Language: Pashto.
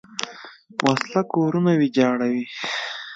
وسله کورونه ویجاړوي